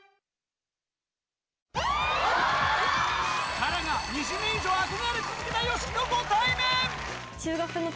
ＫＡＲＡが、２０年以上憧れ続けたＹＯＳＨＩＫＩとご対面！